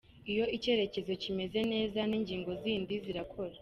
Iyo icyerekezo kimeze neza n’ingingo zindi zirakora.